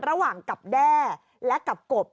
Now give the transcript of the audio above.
ระหว่างกับแด้และกับกบ